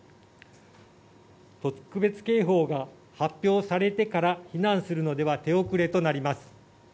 特別警報が発表されてから避難するのでは手遅れとなります。